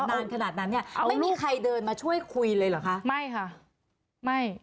นานขนาดนั้นเนี่ยไม่มีใครเดินมาช่วยคุยเลยเหรอคะไม่ค่ะไม่